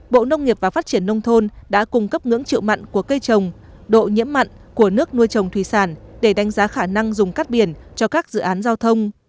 bộ nông nghiệp và phát triển nông thôn đã cung cấp ngưỡng chịu mặn của cây trồng độ nhiễm mặn của nước nuôi trồng thủy sản để đánh giá khả năng dùng cắt biển cho các dự án giao thông